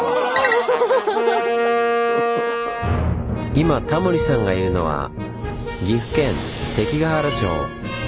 今タモリさんがいるのは岐阜県関ケ原町。